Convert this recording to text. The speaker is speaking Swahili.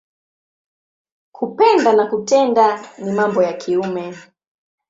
Kupenda na kutenda mambo ya kiume.